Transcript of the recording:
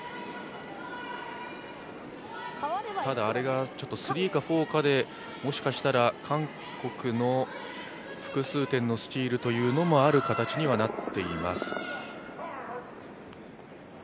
ただ、あれがスリーかフォーかでもしかしたら韓国の複数点のスチールというのもある形にはなっています。